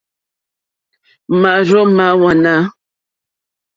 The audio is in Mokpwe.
Máàrzó má hwánà.